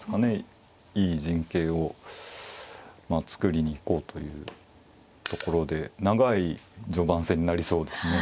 いい陣形を作りに行こうというところで長い序盤戦になりそうですね。